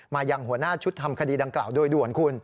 ยังหัวหน้าชุดทำคดีดังกล่าวโดยด่วนคุณ